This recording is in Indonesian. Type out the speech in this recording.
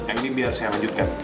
nah ini biar saya lanjutkan